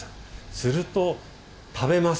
すると食べます。